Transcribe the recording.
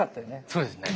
そうですね。